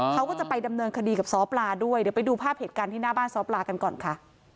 เขาก็จะไปดำเนินคดีกับซ้อปลาด้วยเดี๋ยวไปดูภาพเหตุการณ์ที่หน้าบ้านซ้อปลากันก่อนค่ะ